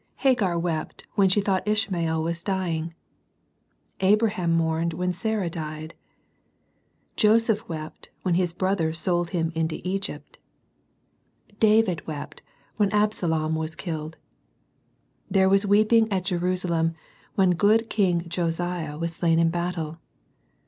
Hagar wept when she thought Ishmael was dying; Abraham mourned when Sarah died ; Joseph wept when his brothers sold him into Egypt; David wept when Absalom was killed. There was weeping at Jerusalem when good king Jo siah was slain in battle.